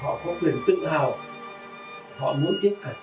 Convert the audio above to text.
họ muốn tiếp cả truyền thống và lý tưởng của những thế hệ trước